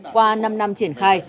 qua năm năm triển khai